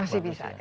masih bisa ya